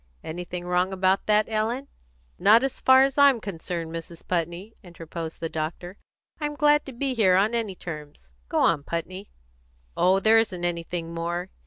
"Anything wrong about that, Ellen?" "Not as far as I'm concerned, Mrs. Putney," interposed the doctor. "I'm glad to be here on any terms. Go on, Putney." "Oh, there isn't anything more.